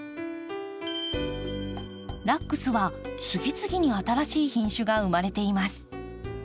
ラックスは次々に新しい品種が生まれています。